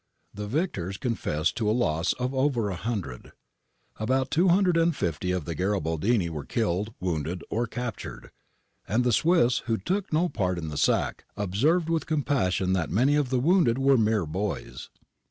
The victors confessed to a loss of over a hundred. About 250 of the Garibaldini were killed, wounded, or captured, and the Swiss, who took no part in the sack, observed with compassion that many of the wounded were mere boys.